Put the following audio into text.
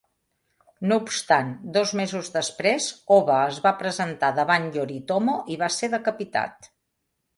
No obstant, dos mesos després, Oba es va presentar davant Yoritomo i va ser decapitat.